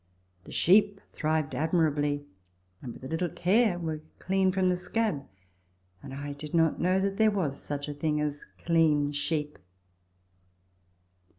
The sheep thrived admirably, and with a little care were clean from the scab, and I did know that there was such a thing as clean sheep.